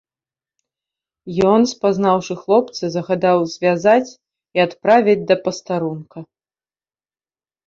Ён, спазнаўшы хлопца, загадаў звязаць і адправіць да пастарунка.